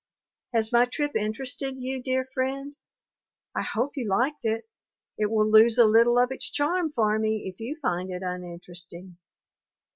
Has my trip interested you, dear friend? I hope you liked it. It will lose a little of its charm for me if you find it uninteresting.